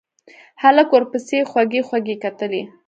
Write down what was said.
هلک ورپسې خوږې خوږې کتلې.